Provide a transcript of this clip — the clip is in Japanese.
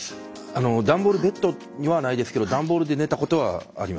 段ボールベッドにはないですけど段ボールで寝たことはあります。